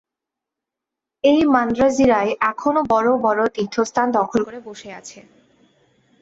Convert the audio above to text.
এই মান্দ্রাজীরাই এখনও বড় বড় তীর্থস্থান দখল করে বসে আছে।